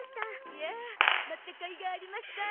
いやー待ったかいがありました。